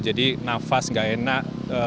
jadi nafas nggak enak